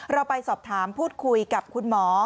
เราไปสอบถามพูดคุยกับคุณหมอ